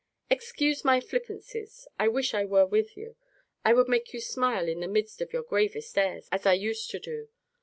Excuse my flippancies. I wish I were with you. I would make you smile in the midst of your gravest airs, as I used to do.